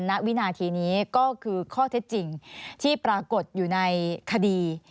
ณวินาทีนี้ก็คือข้อเท็จจริงที่ปรากฏอยู่ในคดี